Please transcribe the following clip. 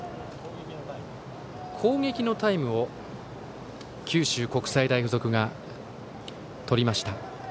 攻撃のタイムを九州国際大付属が取りました。